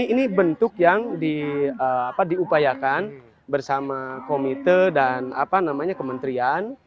ya ini bentuk yang diupayakan bersama komite dan kementrian